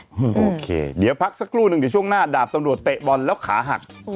โอเคเดี๋ยวพักสักครู่หนึ่งเดี๋ยวช่วงหน้าดาบตำรวจเตะบอลแล้วขาหัก